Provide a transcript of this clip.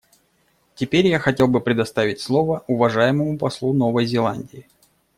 Теперь я хотел бы предоставить слово уважаемому послу Новой Зеландии.